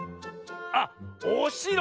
あっおしろ！